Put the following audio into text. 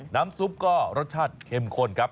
น้ำซุปก็รสชาติเข้มข้นครับ